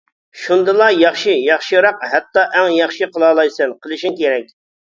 شۇندىلا ياخشى، ياخشىراق ھەتتا ئەڭ ياخشى قىلالايسەن، قىلىشىڭ كېرەك.